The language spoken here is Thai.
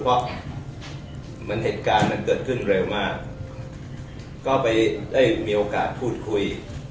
เพราะเหมือนเหตุการณ์มันเกิดขึ้นเร็วมากก็ไปได้มีโอกาสพูดคุย